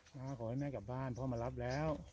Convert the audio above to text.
ขอให้แม่กลับบ้านพ่อมารับแล้ว